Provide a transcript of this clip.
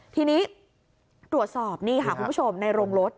ทีนี้ตรวจสอบคุณผู้ชมในโรงรถ